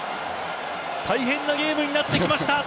大変なゲームになってきました！